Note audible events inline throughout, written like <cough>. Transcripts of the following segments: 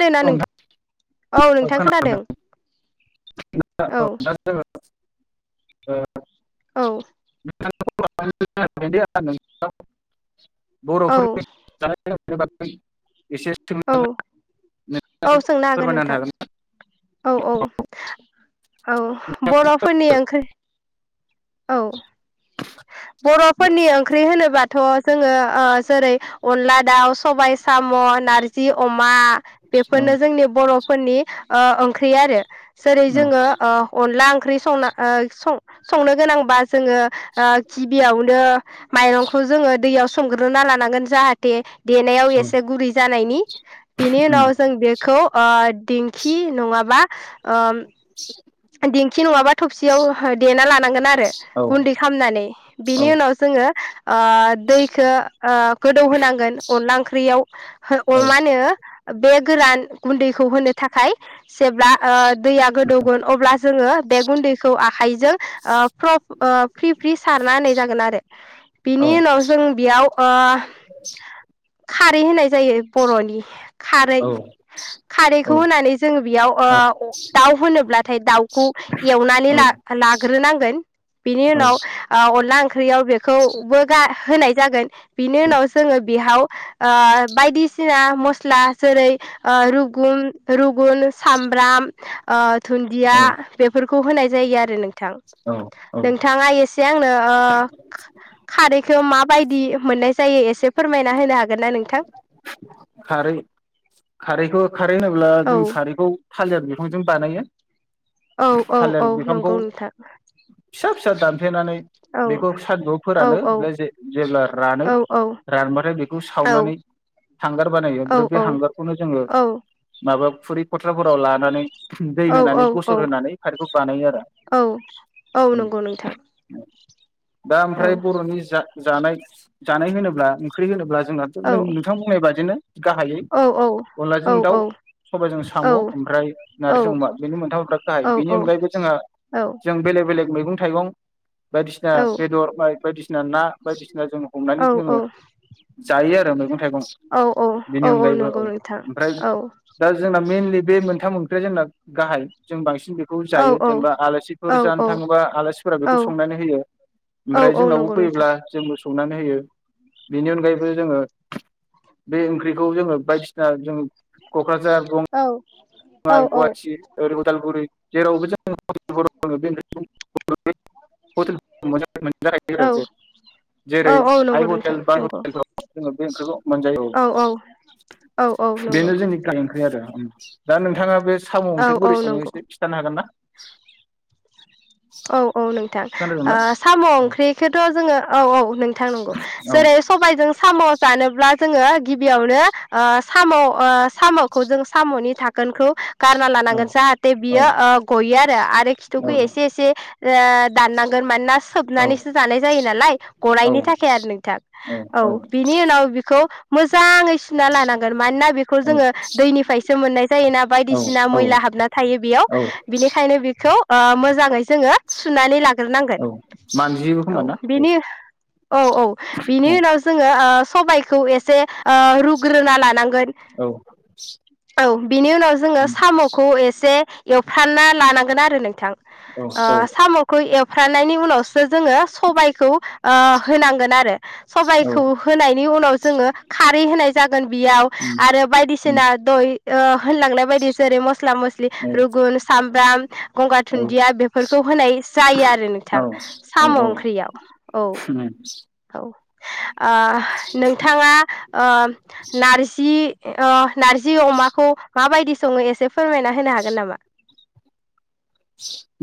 खोनादोंना नोंथां औ खोनादों नोंथां। औ <unintelligible> ओ औ <unintelligible> नोंथां। <unintelligible> औ <unintelligible> <unintelligible> औ औ <unintelligible> सोंनो हागोन नोंथां। औ औ। औ होनो बर'फोरनि ओंख्रै औ। बर'फोरनि ओंख्रि होनोबाथ' जोङो ओ जेरै अनला, दाउ, सबाय साम', नारजि, अमा बेफोरनो हागोन जोंनि बर'फोरनि अ औ ओंख्रि आरो जेरै जोङो ओ अनला ओंख्रि संना ओ सं संनो गोनांबा जोङो ओ गिबियावनो माइरंखौ जोङो दैयाव सोमग्रोना लानांगोन जाहाथे देनायाव एसे गुरै जानायनि बेनि उनाव जों बेखौ ओ दिंखि नङाबा ओ दिेंखि नङाबा थबसियाव देना लानांगोन आरो औ गुन्दै खामनानै बिनि उनाव जोङो ओ दैखौ ओ गोदौहोनांगोन अनला ओंख्रियाव मा होनो बे गोरान गुन्दैखौ होनो थाखाय जेब्ला ओ दैया गोदौगोन अब्ला जोङो बे गुन्दैखौ आखाइजों फ्रफ ओ फ्रि फ्रि सारना होनाय जागोन आरो बिनि उनाव जों बेयाव ओ खारै होनाय जायो बर'नि उम खारै औ औ औ औ खारैखौ होनानै जोङो बेयाव ओ दाउ होनोब्लाथाय दाउखौ एवनानै औ ला लाग्रोनांगोन बे बेनि उनाव ओ अनला ओंख्रि ओंख्रियाव बेखौबो गार होनाय जागोन। बिनि उनाव जोङो बिहाव ओ बायदिसिना मस्ला जेरै रुगुन रुगुन सामब्राम ओ धुन्दिया औ बेफोर खौ होनाय जायो आरो नों थां औ औ नोंथाङा एसे आंनो ओ खारैखौ माबायदि मोननाय जायो एसे फोरमायना होनो हागोनना नोंथां? खारै खारैखौ खारै होनोब्ला औ जों खारैखौ थालिर बिफांजों बानायो। औ औ थालिर औ बिफांखौ नंगौ नोंथां। फिसा फिसा दान फ्लेनानै औ बेखौ सानदुंआव औ फोरानो औ ओमफ्राय जेब्ला रानो औ औ रानबाथाय बेखौ औ सावनानै हांगार बानायो औ ओमफ्राय बे औ हांगारखौनो जोङो माबा फुरि खथ्राफोराव लानानै दै औ होनानै औ गसर होनानै खारैखौ बानायो आरो औ औ उम। नंगौ नोंथां दा औ ओमफ्राय बर'नि जा जानाय जानाय होनोब्ला ओंख्रि होनोब्ला जोंनाथ' नों औ नोंथां बुंनायबादि नो गाहायै औ औ औ अनलाजों दाउ सबायजों औ साम' ओमफ्राय औ नारजिजों अमा बेनि मोनथामया गाहाय बेनि अनगायैबो जोंहा जों बेेलेग बेलेग मैगं थाइगं बायदिसिना बेदर माय बायदिसिन सिना ना बायदिसिना जों औ हमनानै जोङो जायो आरो मै मैगं थाइगं औ औ बेनि औ औ अनगायैबो नंगौ नोंथां ओमफ्राय औ दा जोंना मेनलि बे मोनथाम मोनख्रिया जोंना गाहाय जों बांसिन बेखौ औ जायो औ नंगौ नोंथां औ जेनेबा आलासि जानो औ थाङोबा आलासिफोरा बेखौ संनानै होयो औ ओमफ्राय औ जोंनावबो नंगौ नोंथां फैयोब्ला जोंबो संनानै होयो बेनि अनगायैबो जोङो बे ओंख्रिखौ जोङो बायदिसिना जों क'क्राझार ग माय गुवाटि ओरै गदालगुरि जेरावबो जा <unintelligible> मोनायो आरो जेरै नंगौ औ आइ हटेल बाय हटेलाव जोङो बे ओंख्रिखौ मोनजायो औ नंगौ बेनो जोंनि ग ओंख्रि आरो उम दा नोंथाङा बे स' औ ओंख्रि बोरै औ स समाव नंगौ एसे खिथानो हागोन ना <inaudible> औ औ नों ओ खोनादोंना साम' ओंख्रिखौथ' जों औ औ नोंथां नंगौ औ जेरै सबायजों सा जानोब्ला जोङो गिबियावनो <unintelligible> ओ सामाव ओ साम'खौ जों साम'नि थाखोनखौ गारना औ लानांगोन जाहाथे बियो गयो आरो आरो खिथुखौ एसे एसे ओ दान नांगोन मानोना सोबनानैसो जानाय जायो नालाय गनायनि औ-औ-औ-औ-औ-औ-औ-औ-औ-औ-औ थाखाय आरो नोंथां औ बिनि उनाव बिखौ मोजाङै सुना लानांगोन मानोना बेखौ जोङो दैनिफ्रायसो मोननाय जायोना बायदिसिना मैला हाबना थायो बेयाव बिनिखायनो बे थ मोजाङै जोङो सुनानै लाग्रोनांगोन मानजियोबो औ खोमा ना बिनि औ औ बिनि उनाव जोङो ओ सबाइखौ एसे रुग्रोना लानांगोन औ बिनि उनाव जोङो साम'खौ एसे फानना लानांगोन आरो नोंथां। अ सामखौ एव। फ्रानायनि उनावसो जोङो सबायखौ ओ होनांगोन आरो सबायखौ औ-औ-औ-औ-औ-औ-औ-औ-औ-औ होनायनि उनाव। जोङो खारै होनाय जागोन बियाव आरो बायदिसिना दय ओ होनलांनाय बायदि जेरै मस मस्ला मसलि रुगुन साम ब्राम। गंगार थुनन्दिया बे फोरखौ होनाय जायो आरो नोंथां साम' ओंख्रियाव औ औ। <unintelligible> ओ नोंथाङा ओ नारजि। अ। नारजि अमाखौ माबायदि। सङै एसे। फोरमायना होनो हागोन नामा।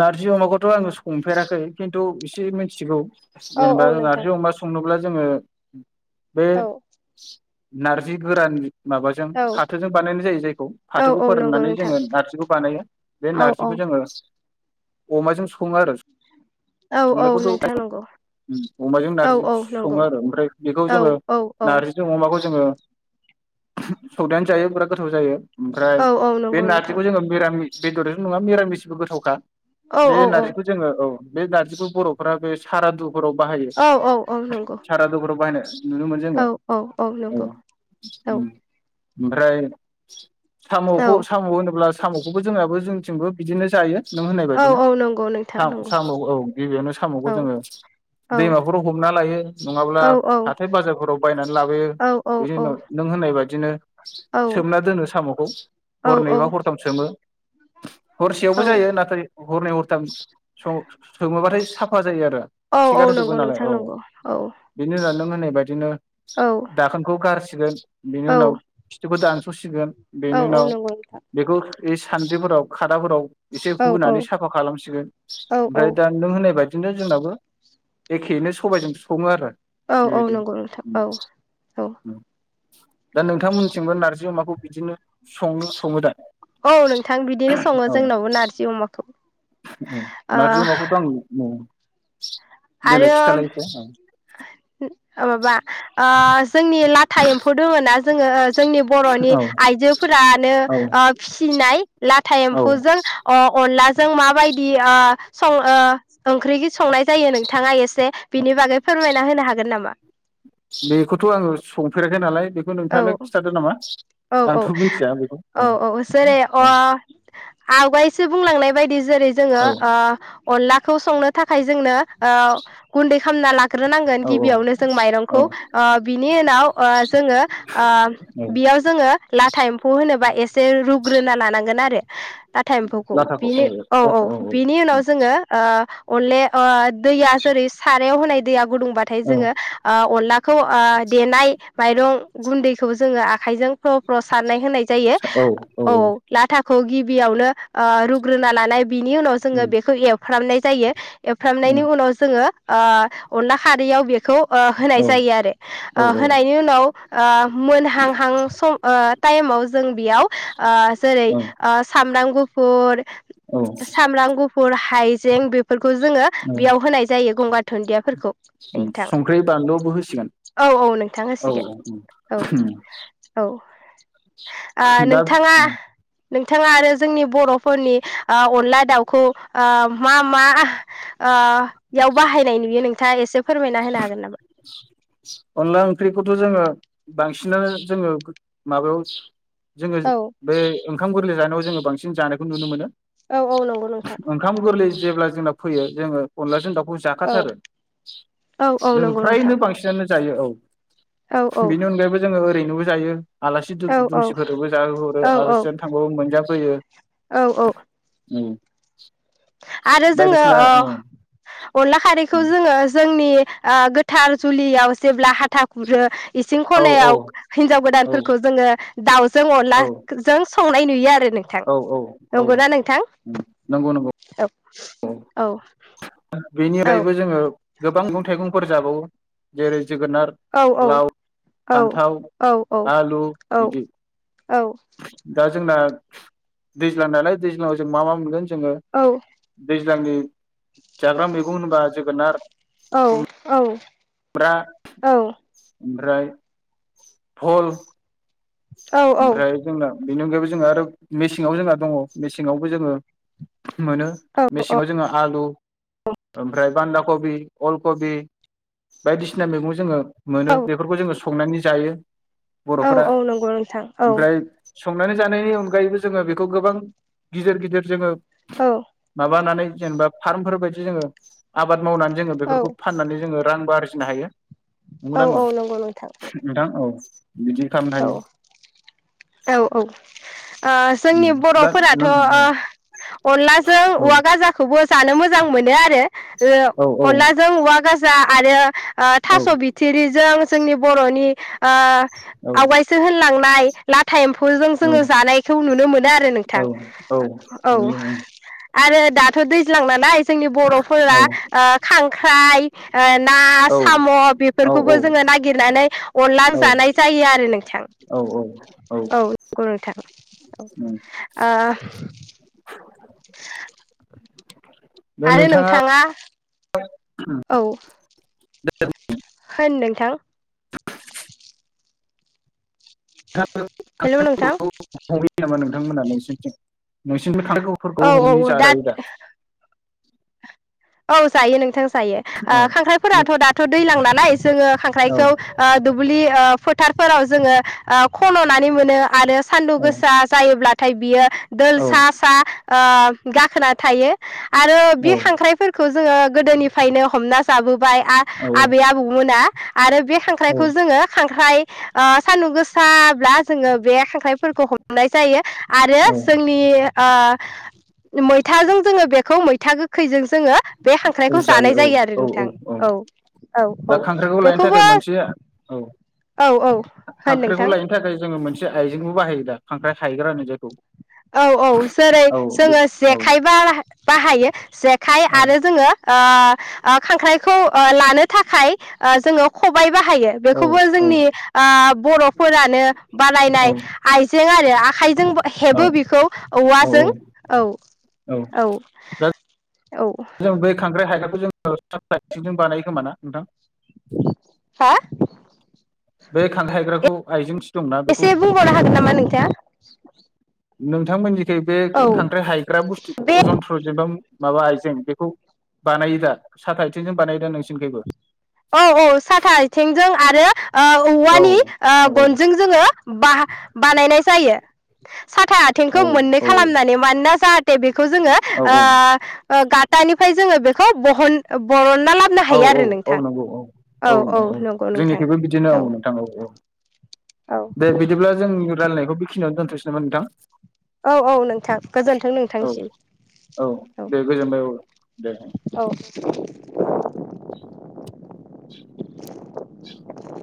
नारजि अमाखौथ' आङो संफेराखै खिन्थु एसे मिथिगौ। औ औ जेनेबा जों नोंथां नारजि अमा संनोब्ला। जोङो। बे। औ नारजि गोरान। माबाजों औ फाथोजों बानायनाय जायो जायखौ औ फाथोखौ औ नंगौ फोराननानै नोंथां जोङो नार्जिखौ बानायो बे औ औ नारजिखौ जोङो। अमाजों सङ आरो। औ औ संनायखौथ' नोंथां नंगौ अमाजों औ नारजिजों औ नंगौ सङो आरो ओमफ्राय बेखौ औ जोङो औ औ नारजिजों अमाखौ। ओ जोङो सौदायानो जायो बिराद गोथाव जायो। ओमफ्राय औ औ बे नंगौ नोंथां नारजिखौ जोङो बेरामि। बेदरजोंल ' नङा मिरा मिसबो गोथाव। खा। औ बे औ नारजिखौ जोङो औ। बे नारजिखौ बर'फोरा बे सारादु। फराव बाहायो औ औ औ नंगौ सारादुफोराव बाहायनाय नुनो मोन औ जोङो औ औ नंगौ उम। औ ओमफ्राय औ साम'खौ साम' होनोब्लास साम'खौबो जोंहाबो जोंथिंबो बिदिनो जायो नों होननाय औ बायदिनो औ नंगौ नोंथां सा नंगौ साम' औ गिबियावनो साम'खौ औ जोङो औ दैमाफोराव हमना लायो औ नङाब्ला हाथाय बाजारफोराव बायनानै लाबोयो औ औ बिनि उनाव नों होननाय बायदि। बिदिनो। सोमना दोनो साम'खौ औ हरनैबा हरथाम सोमो। हरसेयावबो औ जायो। ओरै हरनै हरथाम। सो-सोबाथाय। थाफा। जायो आरो औ औ खिगारजोबो नंगौ नालाय नोंथां औ नंगौ औ बेनि उनाव नोङो। ओननाय बादिनो। औ दाखोनखौ गारसिगोन बिनि औ उनाव फिथखौ दानस। सुसिगोन। औ बेनि औ उनाव नंगौ नोंथां बेखौ। बे सानद्रिफोराव खादाफोराव। एसे औ औ हुनानै साफा खालामसिगोन औ ओमफ्राय दा नों होननाय बायदि। बिदिनो जोंनाबो एखेयैनो सबायजों सङो आरो। औ औ बेबायदि नंगौ नोंथां औ औ। दा नोंथांमोनथिंबो नारजि अमाखौ बिदिनो सङो सङो दा। औ नोंथां बिदिनो सङो औ जोंनाव। नारजि अमाखौ औ ओ। नारजि अमाखौथ' आं देलाय आरो खिथालाय एसे ओ माबा ओ जोंनि लाथा एम्फौ दङ ना जोङो। जोंनि बर'नि औ आइजोफोरानो औ ओ फिसिनाय लाथा औ एम्फौजों अ अनलाजों। जों माबायदि ओ। सं ओ ओंख्रि कि। संनाय जायो। थाङा एसे बिनि बागै फोरमायना होनो हागोन नामा। फेराखै नालाय। बेखौ औ नोंथाङानो खिथादो नामा औ आंथ' मिथिया बेखौ औ औ औ जेरै अ औ आवगायसो बुंलांनाय बायदि जेरै जोङो औ ओ। अनलाखौ संनो थाखाय जोंनो। ओ गुन्दै। खामना ला। हग्रोनांगोन औ गिबियावनो जों औ माइरंखौ ओ बिनि उनाव ओ जोङो ओ औ बेयाव जोङो लाथा एम्फौ होनोबा एसे रुग्रोना लानां गोन आरो। लाथा एम्फौखौ बिनि औ औ बिनि उनाव जोङो ओ <unintelligible> ओ दैया जेरै सारायाव होनाय दैया गुदुंबाथाय औ जोङो अनलाखौ देनाय माइरं गुन्दैखौ जोङो आखाइजों फ्र' फ्र' सारनाय होनाय जायो, औ लाथा खौ गिबियावनो रुग्रोना लानाय बिनि उनाव जोङो बेखौ एवफ्रामनाय जायो। एवफ्रामनायनि उनाव जोङो ओ। अनला खारैयाव बेखौ होनाय जायो आरो। औ होनायनि उनाव ओ मोनहांहां सम टाइमाव जों बेयाव जेरै औ <inaudible> गुफुर सामब्राम गुफुर हाइजें बेफोरखौ जोङो बेयाव होनाय जायो गंगार दुन्दियाफोरखौ नोंथां, संख्रि बानलुआवबो होसिगोन औ औ नोंथां होसिगोन। <inaudible> औ औ ओ दा नोंथाङा नोंथाङा आरो जोंनि बर'फोरनि अनला दाउखौ ओ मा मा ओ याव बाहायनाय नुयो नोंथाङा एसे फोरमायना होनो हागोन नामा? अनला ओंख्रिखौथ' जोङो बांसिनानो जोङो माबायाव जोङो औ बे ओंखाम गोरलै जानायाव जोङो बांसिन जानायखौ नुनो मोनो। औ नंगौ नोंथां ओंखाम गोरलै जेब्ला जोंना फैयो जोङो अनलाजों दाउ औ जाखाथारो औ जोङो नंगौ नोंथां फ्रायनो बांसिनानो जायो औ। औ औ बेनि अनगायैबो जोङो ओरैनो। न'आव जायो। आलासि औ औ दुमसिफोरबो जाहोहरो औ आलासि जानो थांबाबो मोनजा बोयो औ औ। आरो जोङो बायदिसिना अनला खारैखौ जोङो जोंनि गोथार जुलियाव जेब्ला हाथा खुरहो इसिं औ औ खनायाव हिनजाव औ गोदानफोरखौ जोङो। दाउ जों अनला औ जों संनाय नुयो आरो। नोंथां औ औ औ नंगौना नोंथां नंगौ नंगौ। औ औ बेनिफ्रायबो जोङो गोबां मैंग थाइगंफोर जाबावो जेरै जोगोनार औ औ लाव औ फान्थाव आलु बिदि जोंना दैज्लां नालाय दैज्लाङाव जों मा मा मोनगोन? जोङो दैज्लांनि जाग्राम बेखौनो बागोन। औ औ औ ओमफ्राय फल औ ओमफ्राय जोंना बेनि अनगायैबो जोङहा आरो मेसेङाव जोंहा दङ मेसेङावबो जोङो। मोनो मेसेङाव जोङो आलु ओमफ्राय बान्दा कबि अल कबि बायदिसिना मैगं जोङो। औ मोनो बेफोरखौ जोङो संनानै जायो बर'फोरा औ नंगौ नोंथां औ। हमनानै जानायनि अनगायैबो जोङो बेखौ गोबां गिदिर गिदिर जोङो। औ माबानानै जेनेबा फार्मफोर बायदि जोङो आबाद मावनानै जोङो औ बेफोरखौ फाननानै जोङो। रांबो आरजिनो हायो। नंगौ औ ना औ नंगौ नोंथां औ। बिदि खालामनो हायो। औ औ औ। ओ जोंनि दा बर'फोराथ' नों ओ औ अनलाजों औ औवा गाजाखौबो जानो मोजां मोजां मोनो आरो। अनला जों हवा गाजा आरो ओ थास' बिथिरिजों जोंनि बर'नि आ औ आवगायसो होनलांनाय लाख टेम्फुजों औ जोङो जानायखौ नुनो मोनो आरो औ नोंथां औ औ' नुयो आरो दाथ' दैज्लां नालाय जोंनि औ बर'फोरा खां ख्राहाय ना, औ साम' औ बेफोरखौबो जोङो नागिरनानै अनलां जानाय जायो आरो। नोंथां औ औ ग नोंथां ओ <inaudible> आरो नोंथाङा? औ' द <unintelligible> होन नोंथां। हेल' नोंथां नोंथांमोनानिसिम जों नोंसिनिबो खफोरखौ औ हमै औ जाजायो दा? औ जायो नोंथां जायो औ खांख्राइफोराथ' दाथ' दैजलां नालाय जोङो औ खांख्राइखौ ओ दुब्लि ओ फोथार फोराव जोङो ओ खन'नानै मोनो आरो सान्दुं गोसाआ जायोब्ला नाथाय बियो दोल औ सा सा ओ गाखोना थायो। आरो बि खांख्राइफोर जोङो गोदोनिफ्रायनो हमना जाबोबाय आ औ आबै आबौमोना आरो बे खांख्राइखौ जोङो खांख्राइ ओ सान्दुं गोसाब्ला जोङो बे खांख्राइफोरखौ हम फ्रायाजायो। आरो औ जोंनि ओ मैथाजों जोङो बेखौ मैथा गोखैजों जोङो बे खांख्रायखौ जानाय जायो आरो नोंथां औ औ दा औ खांख्राइखौ बेखौबो औ होन खांख्रायखौ नोंथां लायनो थाखाय जोङो मोनसे आइजें। <unintelligible> बाहायो दा खांख्राइ हायग्रा होनो जायखौ। औ औ जेरै औ जोङो औ जेखाइबा बाहायो जेखाइ औ आरो जोङो ओह ओ खांख्राइखौ ओ लानो थाखाय ओ जोङो खबाय बाहायो बेखौबो औ जोंनि आह बर'फोरानो बानायनाय आइजें आरो यो आखाइ औ हेबो बेखौ औ औवाजों औ औ। दा औ जों बै खांख्राइ हायग्राखौ जों औ <unintelligible> थिंजों बानायो खोमा ना नोंथां? हा? बे खांख्राय हायग्राखौ आइजें थि दंना बेखौ। एसे बुंबावनो हागोन नामा नोंथाङा नोंथांमोननि बे बे औ खांख्राइ हायग्रा बुस्थु बे अजनथ्र जेनेबा माबा जों बेखौ बानायो दा साथा आथिंजों बानायो दा नोंसिनिखिबो? औ औ साथा आथिंजों आरो ओ औ औवानि ओह औ गनजों जोङो बाहा बानायनाय जायो। साथा आथिंखौ औ मोननै औ खालामनानै मानोना जाहाथे बेखौ जोङो औ ओह ओ गाथानिफाय जोङो बेखौ बहन ओ बरल ना लाबनो औ हायो औ आरो औ नोंथां। औ नंगौ औ औ औ जोंनिखिबो बिदिनो औ नोंथां औ औ। औ दे बिदिब्ला जों रायलायनायखौ बे खिनाव दोनथ'सोनै नामा नोंथां? औ औ नोंथां गोजोन्थों औ औ नोंथांसिम दे गोजोनबाय औ दे औ औ। <inaudible> <inaudible>